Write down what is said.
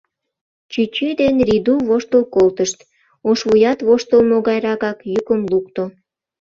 Чӱчӱ ден Рийду воштыл колтышт, ошвуят воштылмо гайракак йӱкым лукто.